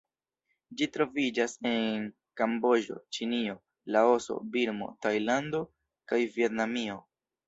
Ĝi troviĝas en Kamboĝo, Ĉinio, Laoso, Birmo, Tajlando kaj Vjetnamio.